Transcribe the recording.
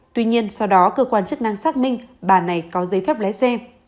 tuy nhiên sau đó cơ quan chức năng xác minh bà này có giấy phép lái xe